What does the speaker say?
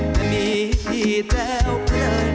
แม่นี่พี่แจ้วไปเลย